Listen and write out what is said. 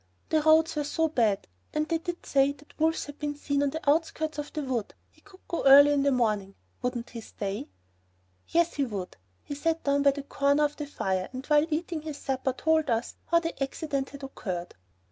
The roads were so bad! and they did say that wolves had been seen on the outskirts of the wood. He could go early in the morning. Wouldn't he stay? Yes, he would. He sat down by the corner of the fire and while eating his supper told us how the accident had occurred.